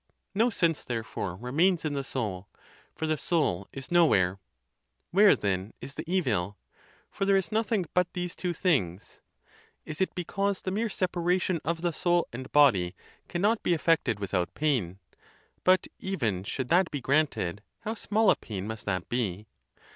No sense, therefore, remains in the soul; for the soul is nowhere. Where, then, is the evil? for there is nothing but these two things. Is it because the mere separation of the soul and body cannot be effected without pain? But even should that be granted, how small a pain must that be!